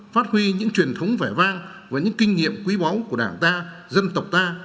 phát huy những truyền thống vẻ vang và những kinh nghiệm quý báu của đảng ta dân tộc ta